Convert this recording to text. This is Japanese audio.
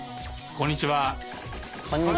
こんにちは。